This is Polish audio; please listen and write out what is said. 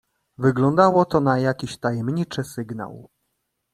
"Wyglądało to na jakiś tajemniczy sygnał."